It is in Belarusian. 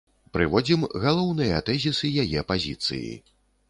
Прыводзім галоўныя тэзісы яе пазіцыі.